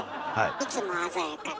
いつも鮮やかで。